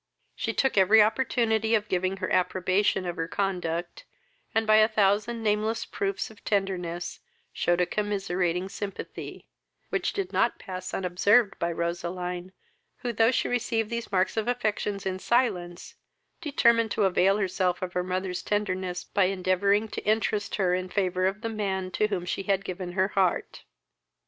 She took every opportunity of giving her approbation of her conduct, and by a thousand nameless proofs of tenderness shewed a commiserating sympathy, which did not pass unobserved by Roseline, who, thought she received these marks of affections in silence, determined to avail herself of her mother's tenderness by endeavouring to interest her in favour of the man to whom she had given her heart.